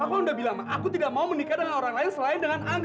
aku udah bilang aku tidak mau menikah dengan orang lain selain dengan anda